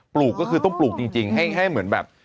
ลูกก็คือต้องปลูกจริงให้เหมือนแบบ